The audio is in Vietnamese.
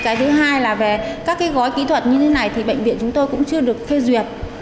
cái thứ hai là về các cái gói kỹ thuật như thế này thì bệnh viện chúng tôi cũng chưa được phê duyệt